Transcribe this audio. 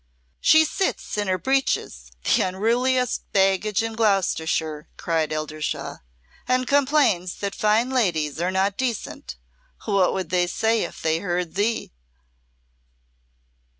"She sits in her breeches the unruliest baggage in Gloucestershire," cried Eldershawe, "and complains that fine ladies are not decent. What would they say if they heard thee?"